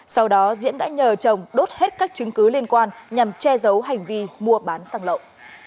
sau đó diễm đã nhờ chồng đốt hết các chứng cứ liên quan nhằm che giấu hành vi mua bán xăng lậu